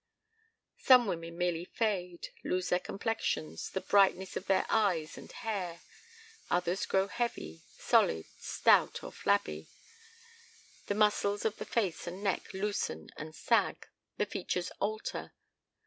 "Some women merely fade: lose their complexions, the brightness of their eyes and hair. Others grow heavy, solid; stout or flabby; the muscles of the face and neck loosen and sag, the features alter.